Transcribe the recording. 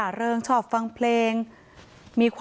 แต่มันถือปืนมันไม่รู้นะแต่ตอนหลังมันจะยิงอะไรหรือเปล่าเราก็ไม่รู้นะ